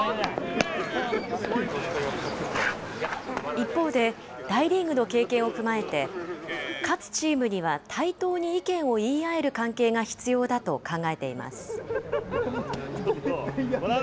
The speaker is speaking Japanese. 一方で、大リーグの経験を踏まえて、勝つチームには、対等に意見を言い合える関係が必要だと考えています。